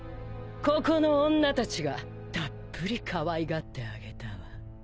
ここの女たちがたっぷりかわいがってあげたわ。